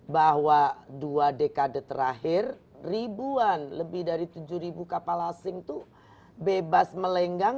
bahwa dua dekade terakhir ribuan lebih dari tujuh kapal asing itu bebas melenggang